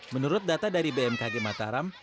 menurut data dari bmkg mataram